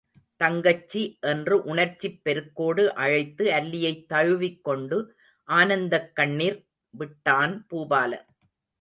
தங்கச்சி என்று உணர்ச்சிப் பெருக்கோடு அழைத்து, அல்லியைத் தழுவிக் கொண்டு ஆனந்தக் கண்ணிர் விட்டான் பூபாலன்.